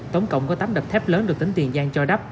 tổng cộng có tám đập thép lớn được tỉnh tiền giang cho đắp